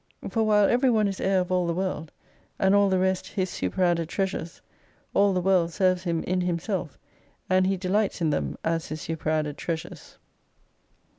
For while every one is Heir of all the "World, and all the rest his superadded treasures, all the World serves him in himself, and he delights iu them as His superadded treasures.